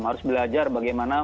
harus belajar bagaimana